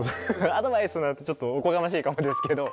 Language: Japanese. アドバイスなんてちょっとおこがましいかもですけど。